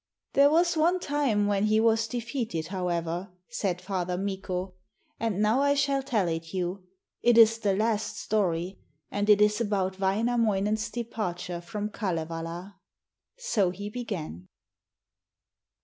'There was one time when he was defeated, however,' said Father Mikko, 'and now I shall tell it you. It is the last story, and is about Wainamoinen's departure from Kalevala.' So he began.